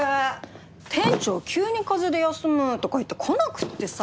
店長急に風邪で休むとか言って来なくってさ。